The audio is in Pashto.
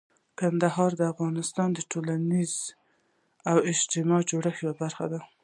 کندهار د افغانستان د ټولنیز او اجتماعي جوړښت یوه برخه ده.